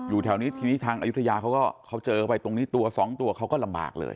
อยู่แถวนี้ทางอยุธยาเขาก็เจอไปตรงนี้ตัวสองตัวเขาก็ลำบากเลย